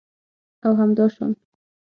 او همداشان